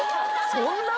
そんな？